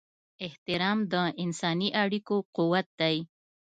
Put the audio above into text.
احترام د انساني اړیکو قوت دی.